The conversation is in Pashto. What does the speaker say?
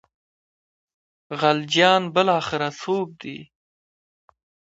خلجیان بالاخره څوک دي.